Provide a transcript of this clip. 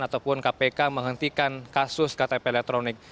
ataupun kpk menghentikan kasus ktp elektronik